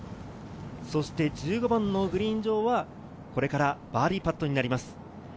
そして１５番のグリーン上はこれからバーディーパットになります。